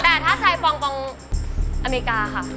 แต่ถ้าใส่ปองอเมริกาค่ะ